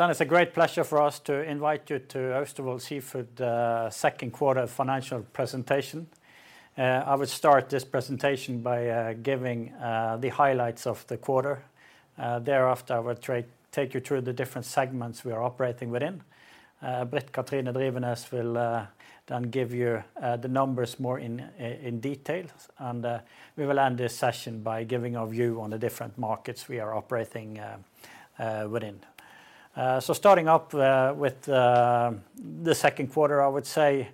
Then it's a great pleasure for us to invite you to Austevoll Seafood Second Quarter Financial Presentation. I will start this presentation by giving the highlights of the quarter. Thereafter, I will take you through the different segments we are operating within. Britt Kathrine Drivenes will then give you the numbers more in detail, and we will end this session by giving our view on the different markets we are operating within. Starting up with the second quarter, I would say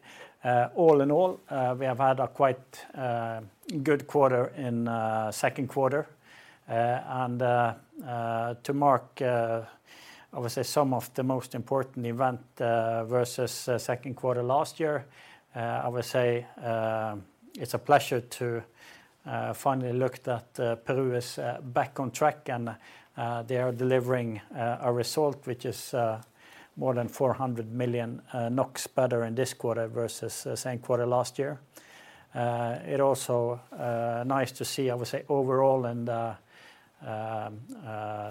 all in all we have had a quite good quarter in second quarter. And to mark obviously some of the most important events versus second quarter last year I would say it's a pleasure to finally note that Peru is back on track and they are delivering a result which is more than 400 million NOK better in this quarter versus the same quarter last year. It also nice to see obviously overall in the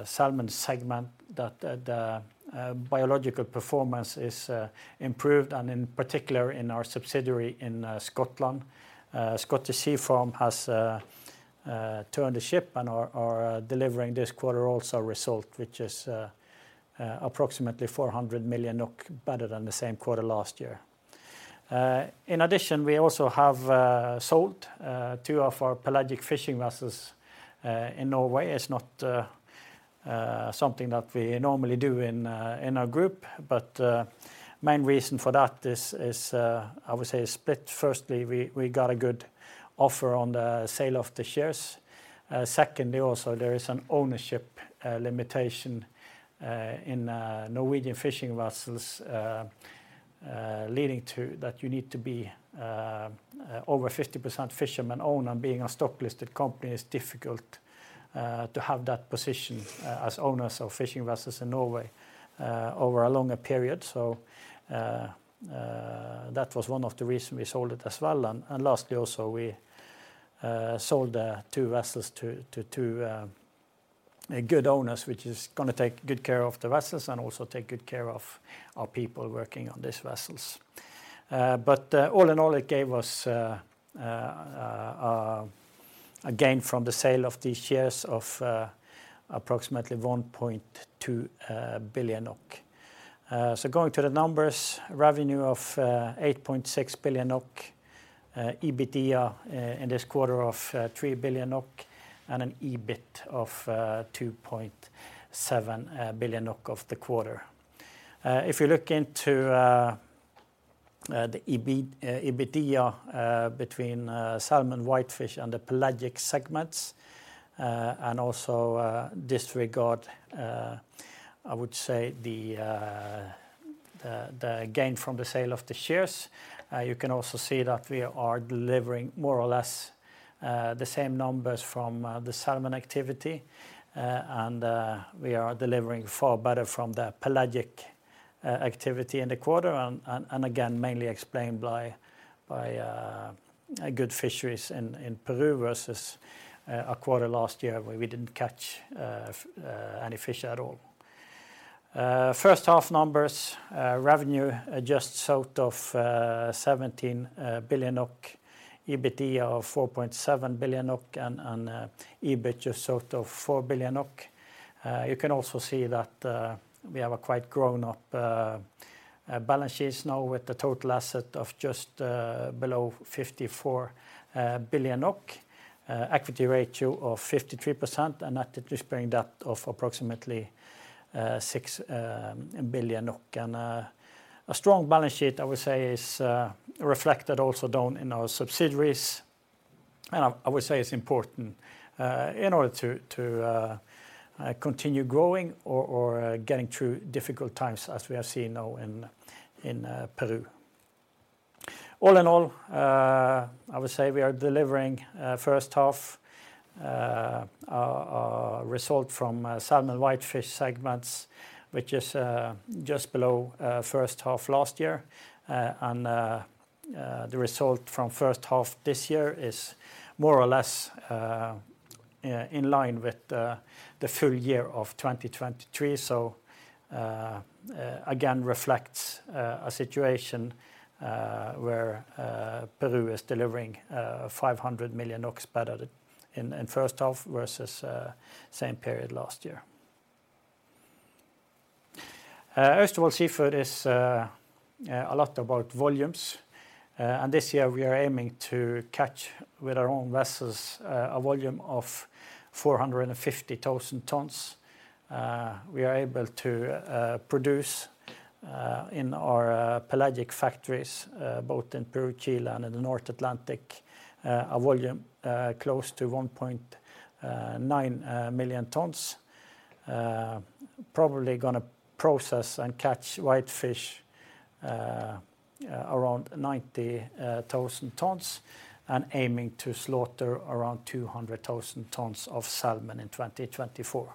salmon segment that the biological performance is improved and in particular in our subsidiary in Scotland. Scottish Sea Farms has turned the ship and are delivering this quarter also result which is approximately 400 million NOK better than the same quarter last year. In addition, we also have sold two of our pelagic fishing vessels in Norway. It's not something that we normally do in our group, but main reason for that is, I would say, split. Firstly, we got a good offer on the sale of the shares. Secondly, also there is an ownership limitation in Norwegian fishing vessels, leading to that you need to be over 50% fisherman owner. Being a stock-listed company, it's difficult to have that position as owners of fishing vessels in Norway over a longer period. So, that was one of the reasons we sold it as well. And lastly, also, we sold the two vessels to two good owners, which is gonna take good care of the vessels and also take good care of our people working on these vessels. But all in all, it gave us a gain from the sale of these shares of approximately 1.2 billion NOK. So going to the numbers, revenue of 8.6 billion NOK, EBITDA in this quarter of 3 billion NOK, and an EBIT of 2.7 billion NOK of the quarter. If you look into the EBITDA between salmon and whitefish and the pelagic segments, and also disregard, I would say the gain from the sale of the shares, you can also see that we are delivering more or less the same numbers from the salmon activity. And we are delivering far better from the pelagic activity in the quarter, and again, mainly explained by a good fisheries in Peru versus a quarter last year, where we didn't catch any fish at all. First half numbers, revenue just out of 17 billion, EBITDA of 4.7 billion, and EBIT just out of 4 billion. You can also see that we have a quite grown up balance sheets now with the total asset of just below 54 billion NOK, equity ratio of 53%, and net interest-bearing debt of approximately 6 billion. And a strong balance sheet, I would say, is reflected also down in our subsidiaries, and I would say it's important in order to continue growing or getting through difficult times, as we have seen now in Peru. All in all, I would say we are delivering first half our result from salmon and whitefish segments, which is just below first half last year. The result from first half this year is more or less in line with the full year of 2023. Again, reflects a situation where Peru is delivering 500 million NOK better in first half versus same period last year. Austevoll Seafood is a lot about volumes, and this year we are aiming to catch, with our own vessels, a volume of 450,000 tons. We are able to produce in our pelagic factories, both in Peru, Chile, and in the North Atlantic, a volume close to 1.9 million tons. Probably gonna process and catch whitefish around 90,000 tons, and aiming to slaughter around 200,000 tons of salmon in 2024.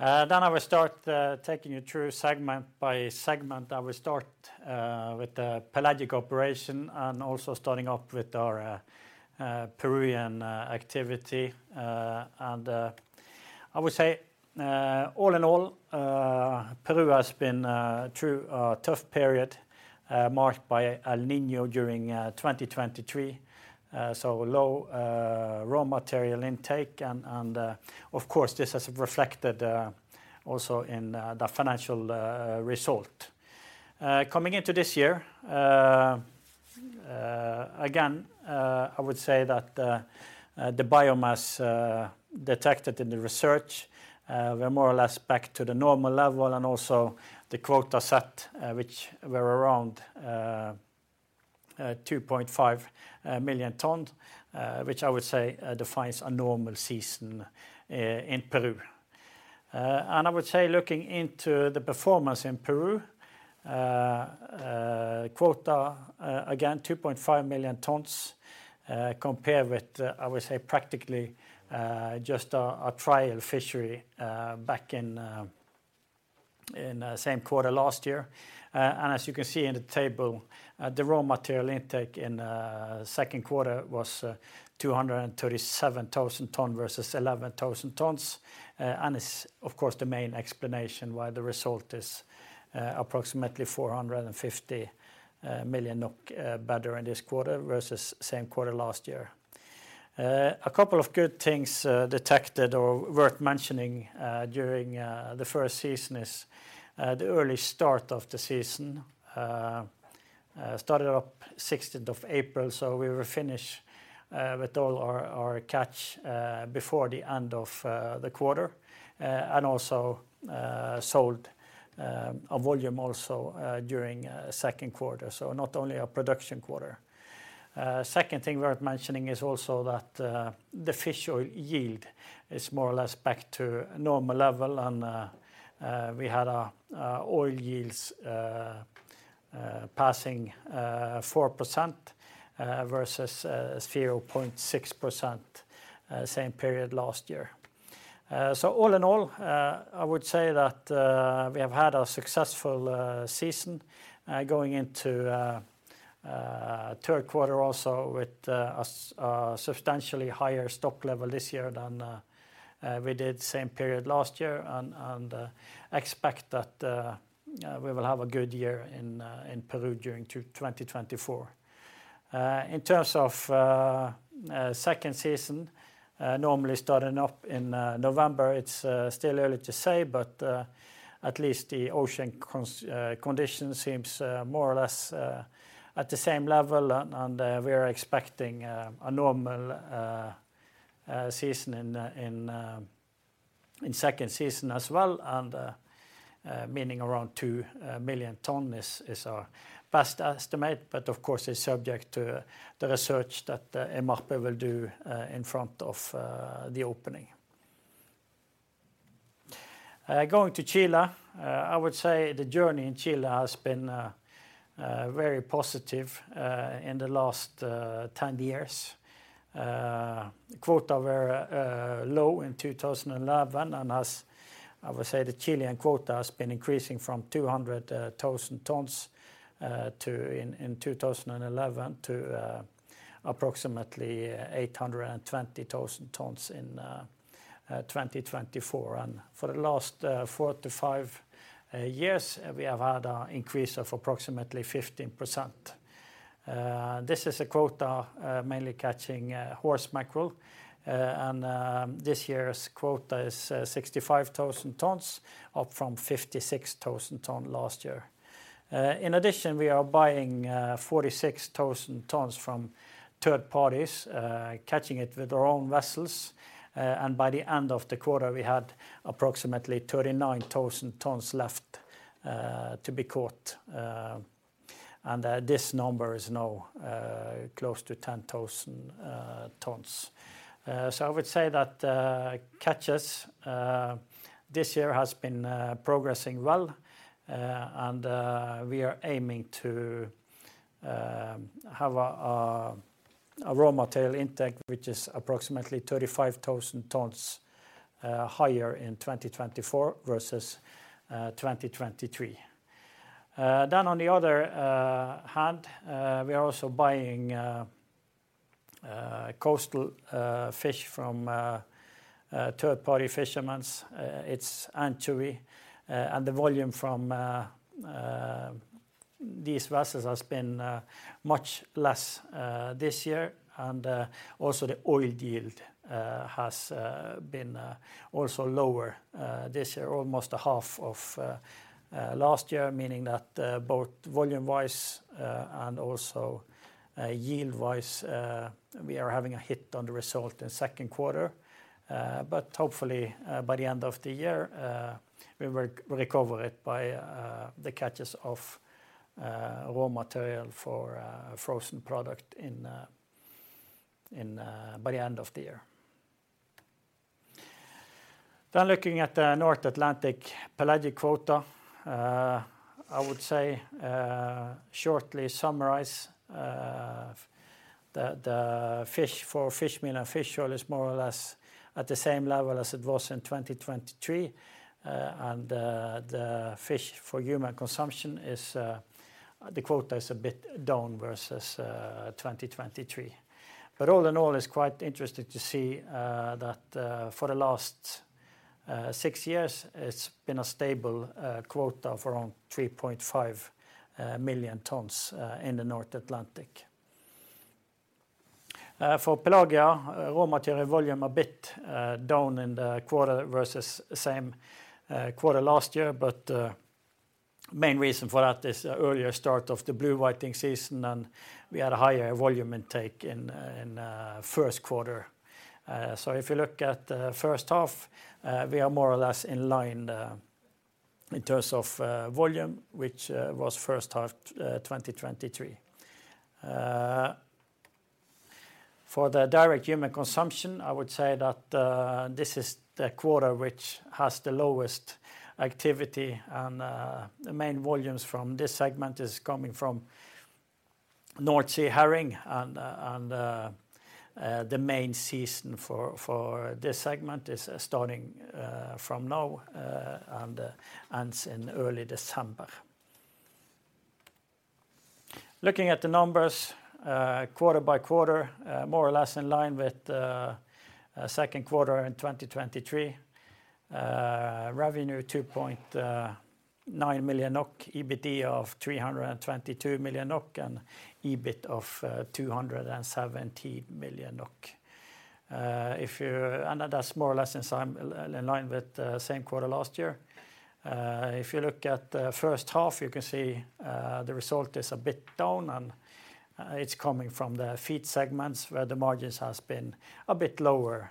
Then I will start taking you through segment by segment. I will start with the pelagic operation and also starting off with our Peruvian activity. And I would say all in all Peru has been through a tough period marked by El Niño during 2023. So low raw material intake and of course this has reflected also in the financial result. Coming into this year again I would say that the biomass detected in the research we're more or less back to the normal level, and also the quota set which were around 2.5 million ton which I would say defines a normal season in Peru. And I would say looking into the performance in Peru, quota again 2.5 million tons, compare with, I would say practically just a trial fishery back in the same quarter last year. And as you can see in the table, the raw material intake in second quarter was 237 thousand tons versus 11 thousand tons. And it's, of course, the main explanation why the result is approximately 450 million NOK better in this quarter versus same quarter last year. A couple of good things detected or worth mentioning during the first season is the early start of the season. Started up sixteenth of April, so we were finished with all our catch before the end of the quarter, and also sold a volume also during second quarter, so not only a production quarter. Second thing worth mentioning is also that the fish oil yield is more or less back to normal level and we had an oil yield passing 4% versus 0.6% same period last year. So all in all, I would say that we have had a successful season going into third quarter also with a substantially higher stock level this year than we did same period last year. Expect that we will have a good year in Peru during 2024. In terms of second season, normally starting up in November, it's still early to say, but at least the ocean condition seems more or less at the same level. We are expecting a normal season in second season as well, meaning around two million ton is our best estimate. But of course, it's subject to the research that IMARPE will do in front of the opening. Going to Chile, I would say the journey in Chile has been very positive in the last 10 years. Quotas were low in 2011, and as I would say, the Chilean quota has been increasing from 200,000 tons in 2011 to approximately 820,000 tons in 2024. And for the last four to five years, we have had an increase of approximately 15%. This is a quota mainly catching horse mackerel, and this year's quota is 65,000 tons, up from 56,000 tons last year. In addition, we are buying 46,000 tons from third parties, catching it with their own vessels, and by the end of the quarter, we had approximately 39,000 tons left to be caught. And this number is now close to 10,000 tons. So I would say that catches this year has been progressing well, and we are aiming to have a raw material intake, which is approximately 35,000 tons higher in 2024 versus 2023. Then on the other hand, we are also buying coastal fish from third-party fishermen's. It's anchovy, and the volume from these vessels has been much less this year, and also the oil yield has been also lower this year, almost a half of last year, meaning that both volume-wise and also yield-wise we are having a hit on the result in second quarter. But hopefully, by the end of the year, we will recover it by the catches of raw material for frozen product in by the end of the year. Then looking at the North Atlantic pelagic quota, I would say, shortly summarize, that the fish for fish meal and fish oil is more or less at the same level as it was in 2023. And the fish for human consumption is, the quota is a bit down versus 2023. But all in all, it's quite interesting to see, that, for the last six years, it's been a stable quota of around 3.5 million tons in the North Atlantic. For Pelagia, raw material volume a bit down in the quarter versus same quarter last year, but main reason for that is the earlier start of the blue whiting season, and we had a higher volume intake in first quarter. So if you look at the first half, we are more or less in line in terms of volume, which was first half 2023. For the direct human consumption, I would say that this is the quarter which has the lowest activity, and the main volumes from this segment is coming from North Sea herring. The main season for this segment is starting from now and ends in early December. Looking at the numbers, quarter by quarter, more or less in line with second quarter in 2023. Revenue 2.9 million NOK, EBIT of 322 million NOK, and EBIT of 270 million NOK. And that's more or less in line with the same quarter last year. If you look at the first half, you can see the result is a bit down, and it's coming from the feed segments, where the margins has been a bit lower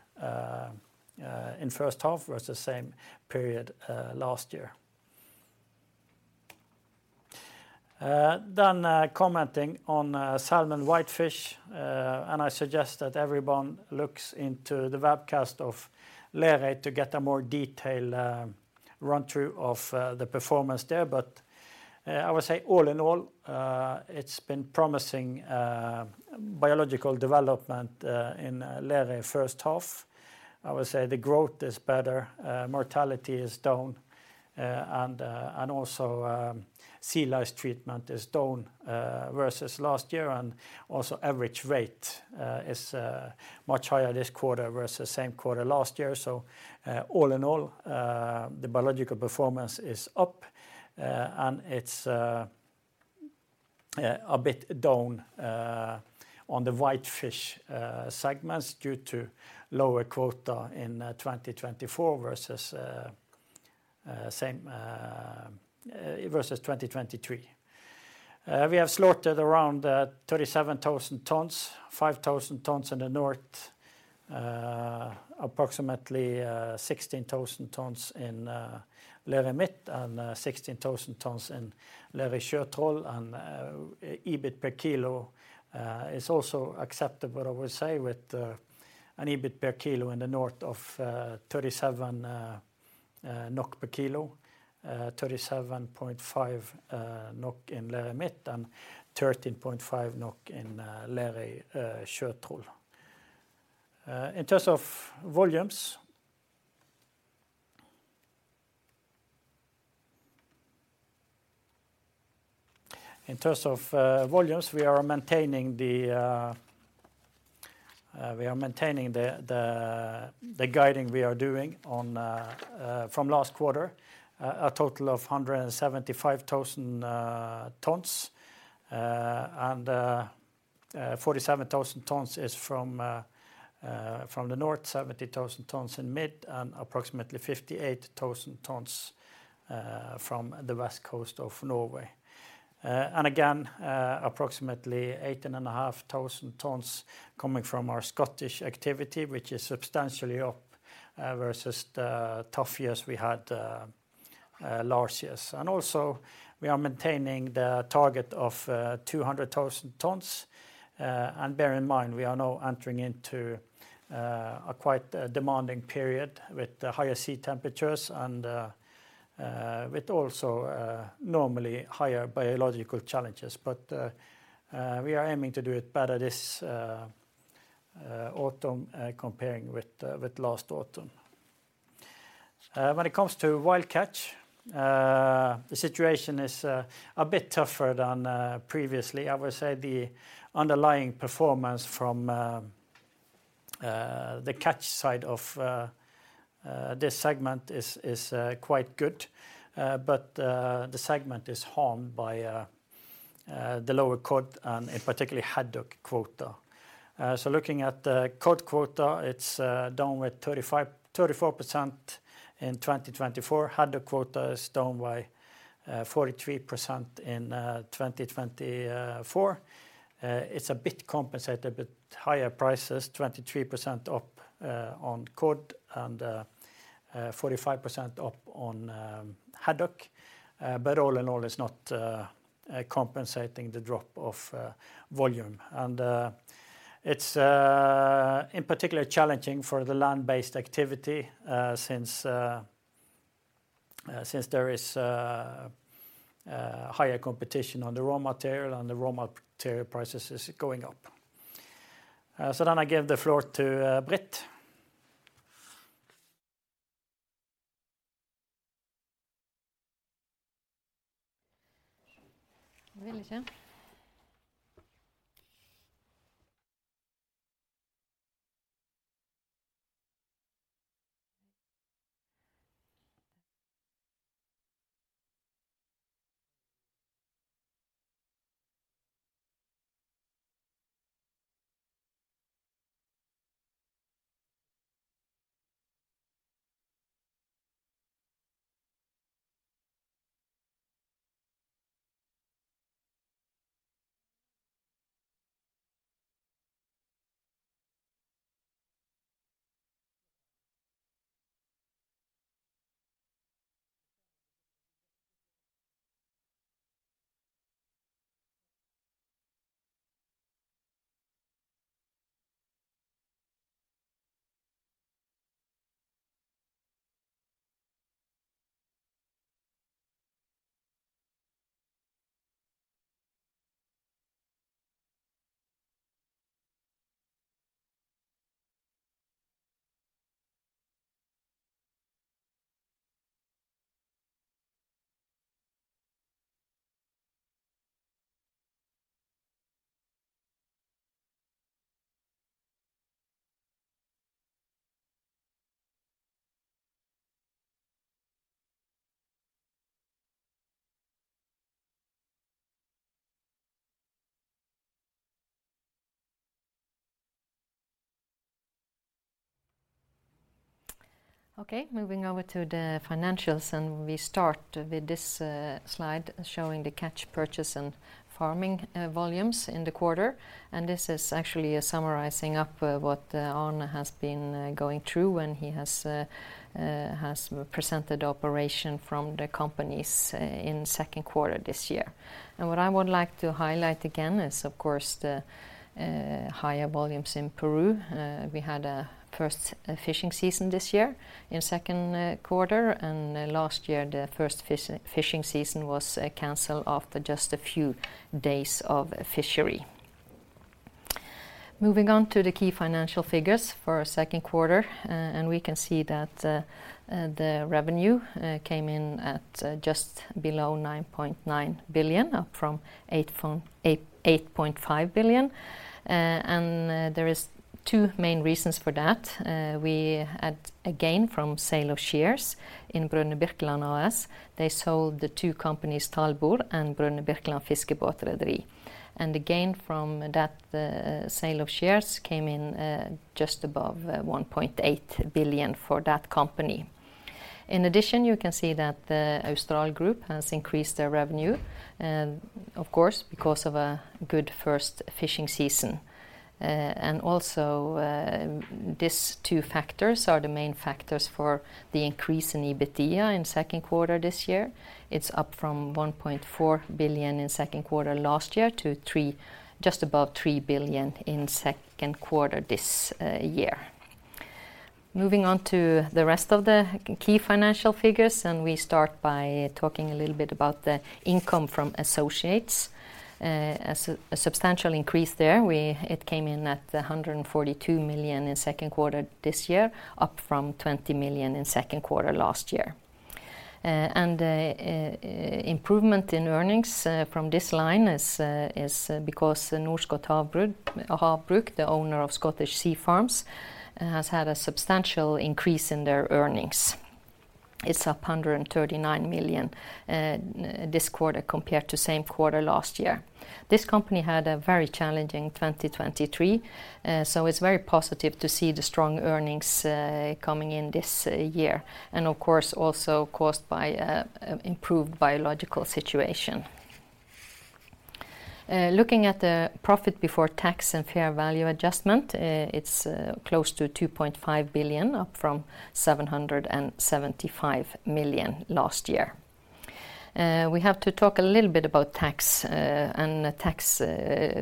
in first half versus the same period last year. Then, commenting on salmon whitefish, and I suggest that everyone looks into the webcast of Lerøy to get a more detailed run-through of the performance there. But I would say, all in all, it's been promising biological development in Lerøy first half. I would say the growth is better, mortality is down, and also sea lice treatment is down versus last year. And also, average rate is much higher this quarter versus same quarter last year. So, all in all, the biological performance is up, and it's yeah, a bit down on the whitefish segments due to lower quota in 2024 versus same versus 2023. We have slaughtered around 37,000 tons, 5,000 tons in the north, approximately 16,000 tons in Lerøy Midt, and 16,000 tons in Lerøy Sjøtroll. EBIT per kilo is also acceptable, I would say, with an EBIT per kilo in the north of 37.5 NOK per kilo in Lerøy Midt, and 13.5 NOK in Lerøy Sjøtroll. In terms of volumes, we are maintaining the guiding we are doing from last quarter, a total of 175,000 tons. 47,000 tons is from the north, 70,000 tons in Midt, and approximately 58,000 tons from the west coast of Norway. And again, approximately 18.5 thousand tons coming from our Scottish activity, which is substantially up versus the tough years we had last years. And also, we are maintaining the target of 200,000 tons. And bear in mind, we are now entering into a quite demanding period with the higher sea temperatures and with also normally higher biological challenges. But we are aiming to do it better this autumn comparing with with last autumn. When it comes to wild catch, the situation is a bit tougher than previously. I would say the underlying performance from the catch side of this segment is quite good. But the segment is harmed by the lower cod and in particular haddock quota. So looking at the cod quota, it's down with 34% in 2024. Haddock quota is down by 43% in 2024. It's a bit compensated with higher prices, 23% up on cod and 45% up on haddock. But all in all, it's not compensating the drop of volume. And it's in particular challenging for the land-based activity, since there is higher competition on the raw material, and the raw material prices is going up. So then I give the floor to Britt. Okay, moving over to the financials, and we start with this slide showing the catch, purchase, and farming volumes in the quarter. This is actually a summarizing up what Arne has been going through when he has presented operation from the companies in second quarter this year. What I would like to highlight again is, of course, the higher volumes in Peru. We had a first fishing season this year in second quarter, and last year, the first fishing season was canceled after just a few days of fishery. Moving on to the key financial figures for our second quarter, and we can see that the revenue came in at just below 9.9 billion, up from 8.8 billion-8.5 billion. There is two main reasons for that. We had a gain from sale of shares in Brødrene Birkeland AS. They sold the two companies, Talbor and Brødrene Birkeland Fiskebåtrederi, and the gain from that sale of shares came in just above 1.8 billion for that company. In addition, you can see that the Austral Group has increased their revenue, and, of course, because of a good first fishing season. These two factors are the main factors for the increase in EBITDA in second quarter this year. It's up from 1.4 billion in second quarter last year to just above 3 billion in second quarter this year. Moving on to the rest of the key financial figures, and we start by talking a little bit about the income from associates. A substantial increase there. It came in at 142 million in second quarter this year, up from 20 million in second quarter last year, and improvement in earnings from this line is because the Norskott Havbruk, the owner of Scottish Sea Farms, has had a substantial increase in their earnings. It's up 139 million this quarter compared to same quarter last year. This company had a very challenging 2023, so it's very positive to see the strong earnings coming in this year, and of course, also caused by improved biological situation. Looking at the profit before tax and fair value adjustment, it's close to 2.5 billion, up from 775 million last year. We have to talk a little bit about tax and the tax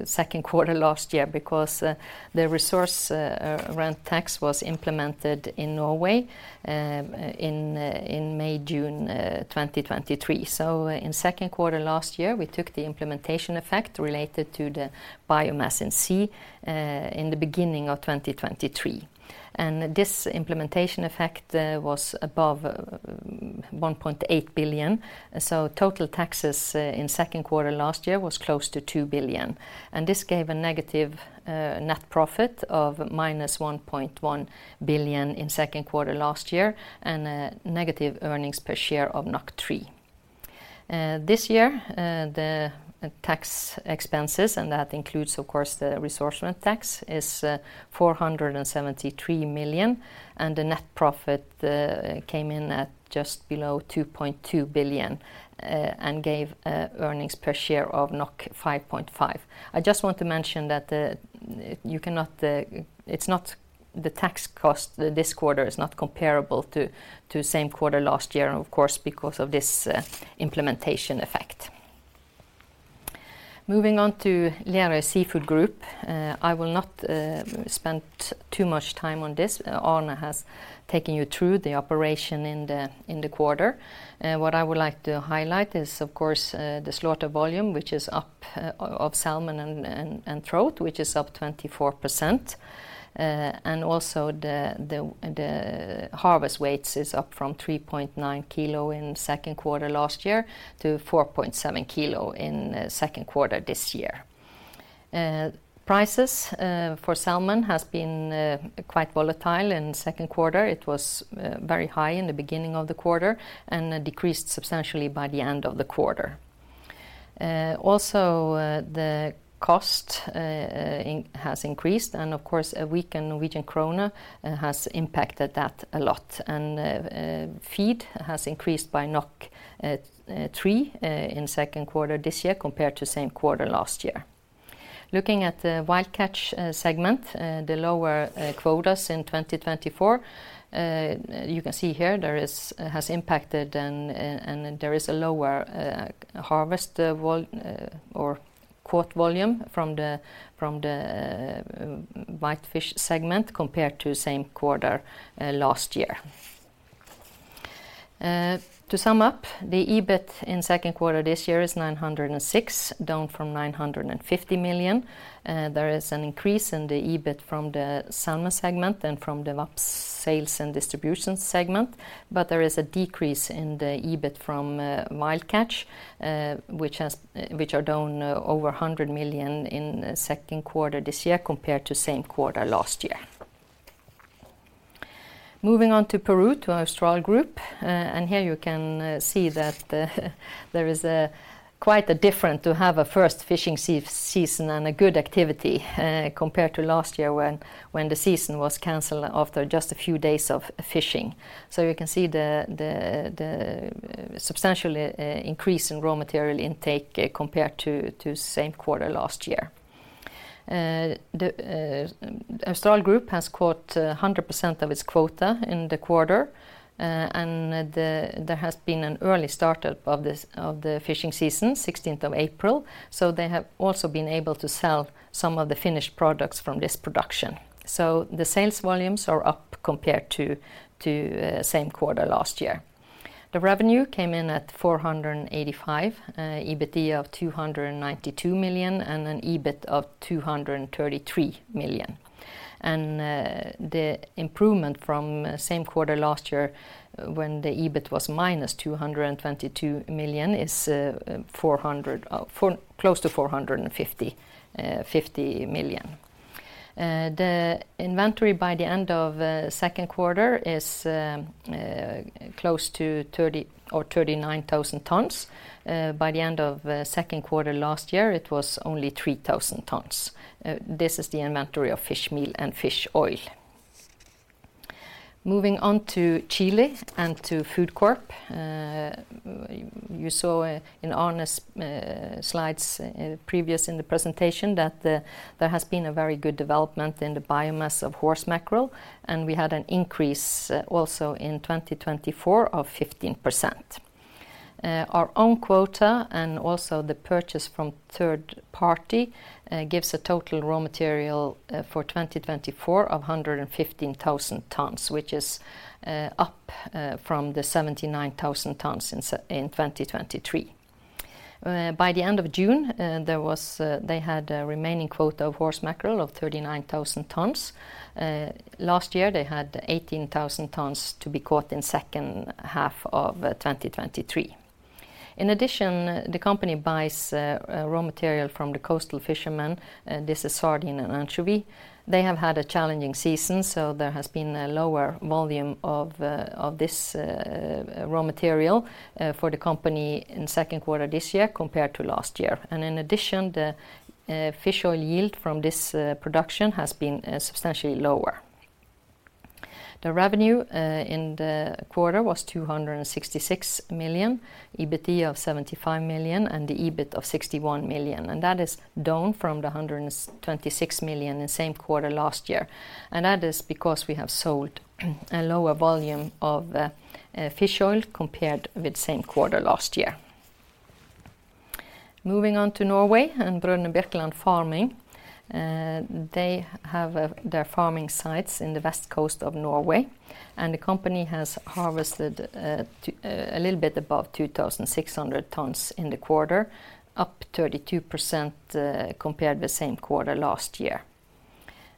second quarter last year, because the resource rent tax was implemented in Norway in May, June 2023. So in second quarter last year, we took the implementation effect related to the biomass at sea in the beginning of 2023. And this implementation effect was above 1.8 billion. So total taxes in second quarter last year was close to 2 billion, and this gave a negative net profit of minus 1.1 billion in second quarter last year, and a negative earnings per share of 3. This year, the tax expenses, and that includes, of course, the resource rent tax, is 473 million, and the net profit came in at just below 2.2 billion, and gave earnings per share of 5.5. I just want to mention that the... You cannot... It's not the tax cost. This quarter is not comparable to same quarter last year, and of course, because of this implementation effect. Moving on to Lerøy Seafood Group. I will not spend too much time on this. Arne has taken you through the operation in the quarter. What I would like to highlight is, of course, the slaughter volume, which is up of salmon and trout, which is up 24%. And also the harvest weights is up from 3.9 kilo in second quarter last year to 4.7 kilo in second quarter this year. Prices for salmon has been quite volatile in second quarter. It was very high in the beginning of the quarter and decreased substantially by the end of the quarter. Also the cost has increased, and of course, a weak Norwegian krone has impacted that a lot. And feed has increased by 3 in second quarter this year compared to same quarter last year. Looking at the Wild Catch segment, the lower quotas in twenty twenty-four you can see here, there has impacted and, and there is a lower harvest volume or caught volume from the whitefish segment compared to same quarter last year. To sum up, the EBIT in second quarter this year is 906 million, down from 950 million. There is an increase in the EBIT from the salmon segment and from the VAP sales and distribution segment, but there is a decrease in the EBIT from Wild Catch, which has, which are down over 100 million in second quarter this year compared to same quarter last year. Moving on to Peru, to Austral Group, and here you can see that there is quite a difference to have a first fishing season and a good activity, compared to last year when the season was canceled after just a few days of fishing. So you can see the substantial increase in raw material intake compared to same quarter last year. The Austral Group has caught 100% of its quota in the quarter, and there has been an early startup of this fishing season, sixteenth of April. So they have also been able to sell some of the finished products from this production. So the sales volumes are up compared to same quarter last year. The revenue came in at 485 million, EBIT of 292 million, and an EBIT of 233 million. The improvement from same quarter last year, when the EBIT was minus 222 million, is close to 450 million. The inventory by the end of second quarter is close to 30 or 39 thousand tons. By the end of second quarter last year, it was only 3 thousand tons. This is the inventory of fish meal and fish oil. Moving on to Chile and to FoodCorp. You saw in Arne's slides previous in the presentation, that there has been a very good development in the biomass of horse mackerel, and we had an increase also in 2024 of 15%. Our own quota and also the purchase from third party gives a total raw material for 2024 of 115,000 tons, which is up from the 79,000 tons in 2023. By the end of June, there was. They had a remaining quota of horse mackerel of 39,000 tons. Last year, they had 18,000 tons to be caught in second half of 2023. In addition, the company buys raw material from the coastal fishermen. This is sardine and anchovy. They have had a challenging season, so there has been a lower volume of this raw material for the company in second quarter this year compared to last year. And in addition, the fish oil yield from this production has been substantially lower. The revenue in the quarter was 266 million, EBIT of 75 million, and the EBIT of 61 million, and that is down from the 126 million in the same quarter last year. And that is because we have sold a lower volume of fish oil compared with same quarter last year.... Moving on to Norway and Brødrene Birkeland Farming. They have their farming sites in the west coast of Norway, and the company has harvested a little bit above 2,600 tons in the quarter, up 32% compared to the same quarter last year.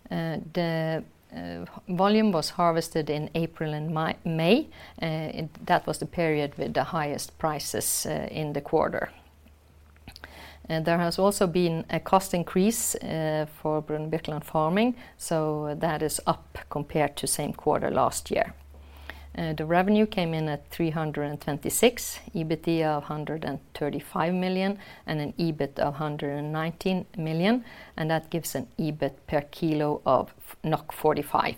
The volume was harvested in April and May, and that was the period with the highest prices in the quarter. There has also been a cost increase for Brødrene Birkeland Farming, so that is up compared to same quarter last year. The revenue came in at 326 million, EBITDA of 135 million, and an EBIT of 119 million, and that gives an EBIT per kilo of 45,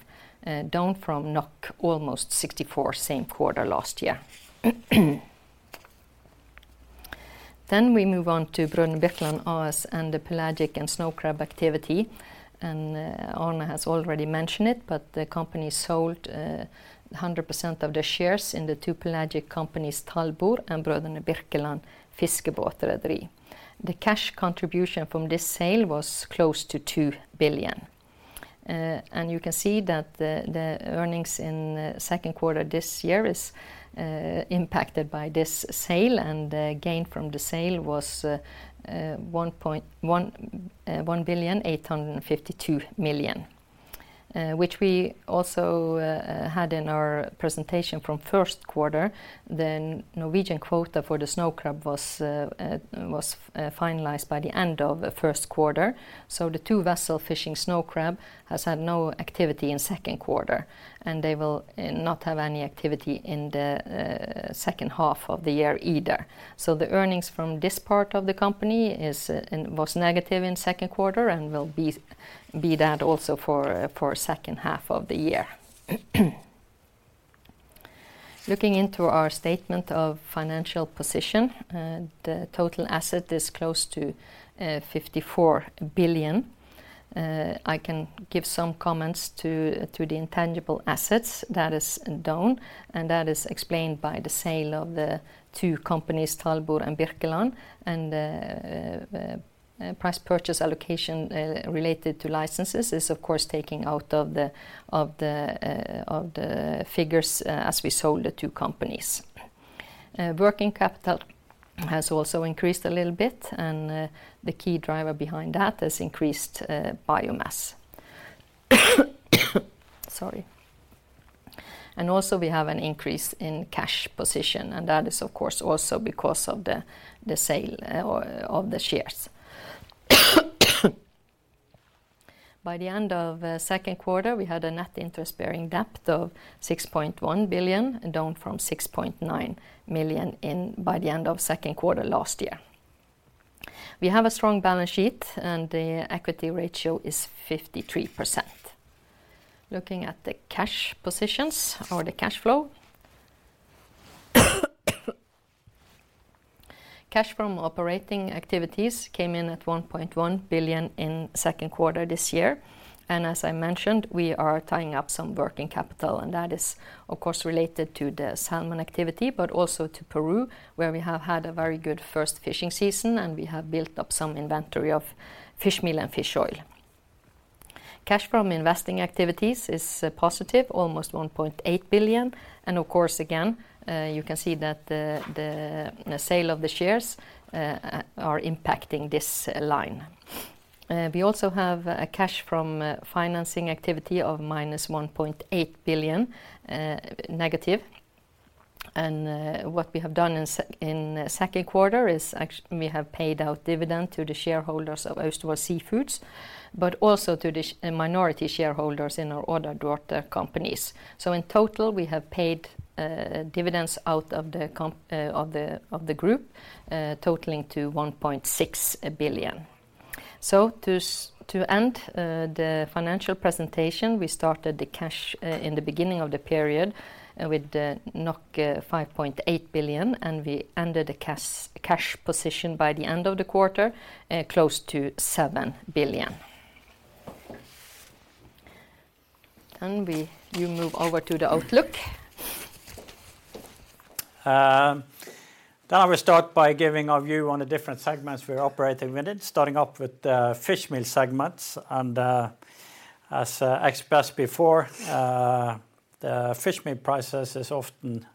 down from almost 64 same quarter last year. We move on to Brødrene Birkeland AS and the pelagic and snow crab activity. Arne has already mentioned it, but the company sold 100% of the shares in the two pelagic companies, Talbor and Brødrene Birkeland Fiskebåtrederi. The cash contribution from this sale was close to 2 billion. You can see that the earnings in the second quarter this year is impacted by this sale, and the gain from the sale was 1.852 billion. Which we also had in our presentation from first quarter. The Norwegian quota for the snow crab was finalized by the end of the first quarter. The two vessel fishing snow crab has had no activity in second quarter, and they will not have any activity in the second half of the year either. The earnings from this part of the company is was negative in second quarter and will be that also for second half of the year. Looking into our statement of financial position, the total asset is close to 54 billion. I can give some comments to the intangible assets that is down, and that is explained by the sale of the two companies, Talbor and Birkeland, and the purchase price allocation related to licenses is of course taking out of the figures as we sold the two companies. Working capital has also increased a little bit, and the key driver behind that has increased biomass. Sorry. And also we have an increase in cash position, and that is of course also because of the sale of the shares. By the end of the second quarter, we had a net interest-bearing debt of 6.1 billion, down from 6.9 billion by the end of second quarter last year. We have a strong balance sheet, and the equity ratio is 53%. Looking at the cash positions or the cash flow. Cash from operating activities came in at 1.1 billion in second quarter this year, and as I mentioned, we are tying up some working capital, and that is of course related to the salmon activity, but also to Peru, where we have had a very good first fishing season, and we have built up some inventory of fish meal and fish oil. Cash from investing activities is positive, almost 1.8 billion, and of course, again, you can see that the sale of the shares are impacting this line. We also have a cash from financing activity of -1.8 billion, negative. What we have done in second quarter is we have paid out dividend to the shareholders of Austevoll Seafood, but also to the minority shareholders in our other daughter companies. So in total, we have paid dividends out of the group, totaling to 1.6 billion. To end the financial presentation, we started the cash in the beginning of the period with 5.8 billion, and we ended the cash position by the end of the quarter close to 7 billion. Then you move over to the outlook. Then I will start by giving our view on the different segments we are operating within, starting up with the fish meal segments. And, as expressed before, the fish meal prices is often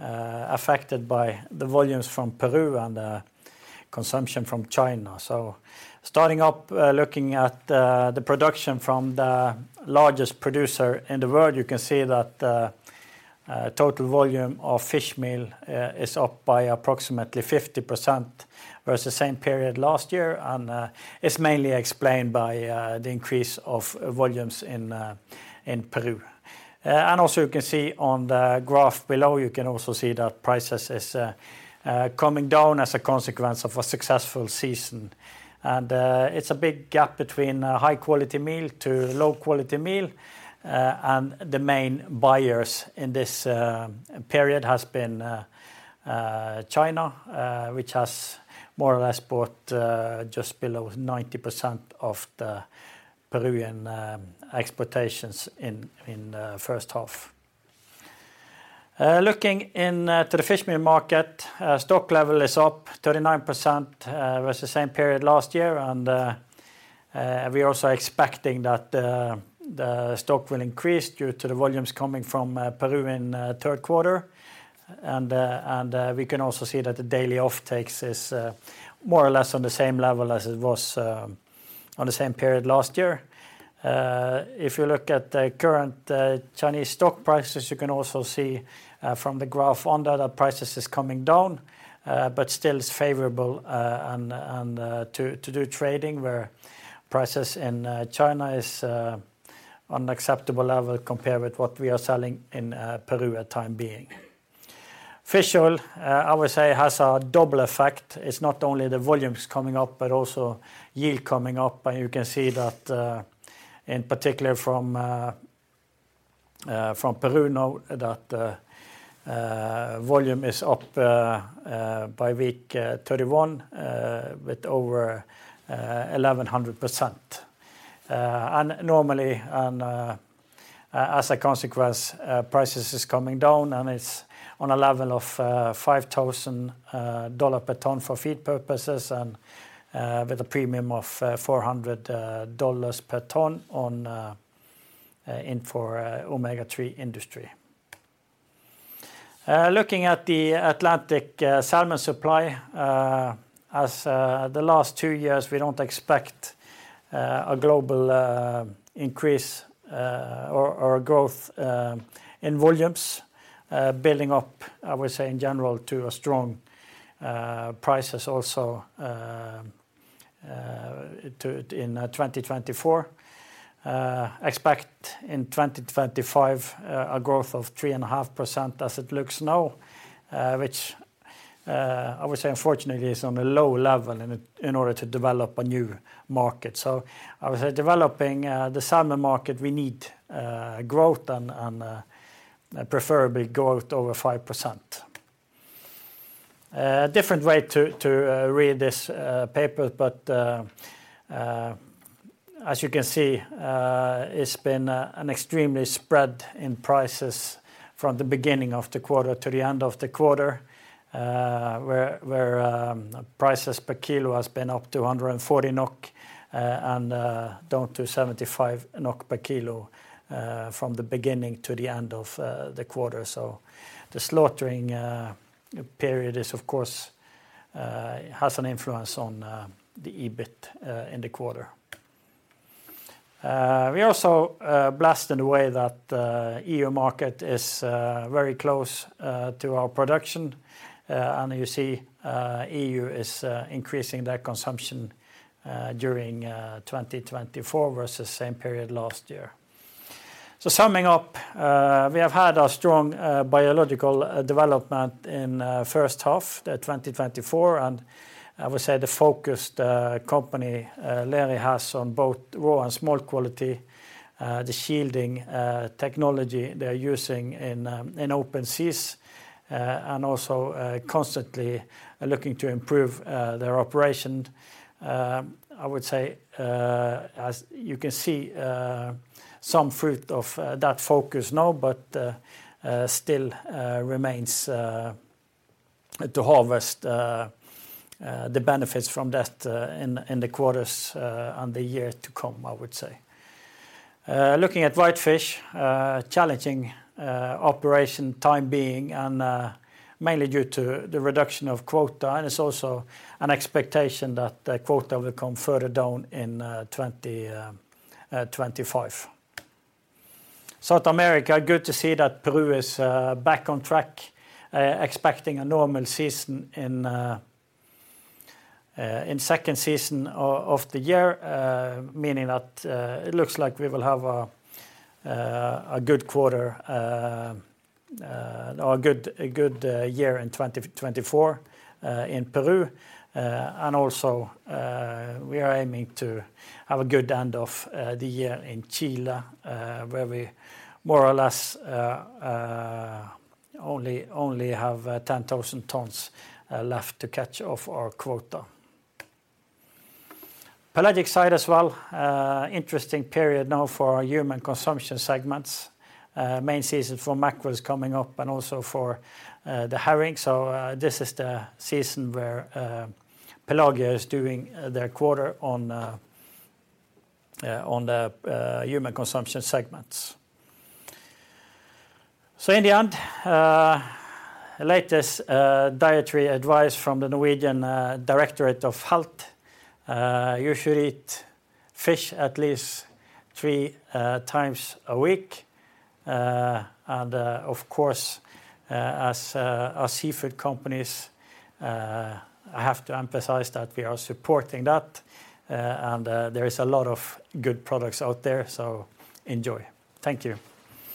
affected by the volumes from Peru and consumption from China. So starting up, looking at the production from the largest producer in the world, you can see that total volume of fish meal is up by approximately 50% versus the same period last year, and it's mainly explained by the increase of volumes in Peru. And also you can see on the graph below, you can also see that prices is coming down as a consequence of a successful season. It's a big gap between high-quality meal to low-quality meal, and the main buyers in this period has been China, which has more or less bought just below 90% of the Peruvian exports in first half. Looking into the fish meal market, stock level is up 39% versus same period last year. We are also expecting that the stock will increase due to the volumes coming from Peru in third quarter. We can also see that the daily offtakes is more or less on the same level as it was on the same period last year. If you look at the current Chinese stock prices, you can also see from the graph on there that prices is coming down, but still is favorable, and to do trading, where prices in China is on acceptable level compared with what we are selling in Peru at time being. Fish oil, I would say, has a double effect. It's not only the volumes coming up, but also yield coming up, and you can see that in particular from Peru now, that volume is up by week 31 with over 1,100%. Normally, and as a consequence, prices is coming down, and it's on a level of $5,000 per ton for feed purposes and with a premium of $400 per ton on in for omega-3 industry. Looking at the Atlantic salmon supply as the last two years, we don't expect a global increase or growth in volumes building up, I would say, in general, to a strong prices also to in 2024. Expect in 2025 a growth of 3.5% as it looks now, which I would say unfortunately is on a low level in order to develop a new market. So I would say developing the salmon market, we need growth and preferably growth over 5%. Different way to read this paper, but as you can see, it's been an extremely spread in prices from the beginning of the quarter to the end of the quarter. Where prices per kilo has been up to 140 NOK and down to 75 NOK per kilo from the beginning to the end of the quarter. So the slaughtering period is of course has an influence on the EBIT in the quarter. We are also blessed in the way that EU market is very close to our production. And you see, EU is increasing their consumption during 2024 versus same period last year. So summing up, we have had a strong biological development in first half the 2024, and I would say the focused company Lerøy has on both raw and smoked quality, the shielding technology they are using in open seas, and also constantly looking to improve their operation. I would say, as you can see, some fruit of that focus now, but still remains to harvest the benefits from that in the quarters and the year to come, I would say. Looking at whitefish, challenging operation time being and mainly due to the reduction of quota, and it's also an expectation that the quota will come further down in 2025. South America, good to see that Peru is back on track, expecting a normal season in the second season of the year, meaning that it looks like we will have a good quarter or a good year in 2024 in Peru. And also, we are aiming to have a good end of the year in Chile, where we more or less only have 10,000 tons left to catch of our quota. Pelagic side as well, interesting period now for human consumption segments. Main season for mackerel is coming up and also for the herring. So this is the season where Pelagia is doing their quarter on the human consumption segments. So in the end, latest dietary advice from the Norwegian Directorate of Health, you should eat fish at least three times a week. And of course, as seafood companies, I have to emphasize that we are supporting that, and there is a lot of good products out there, so enjoy. Thank you.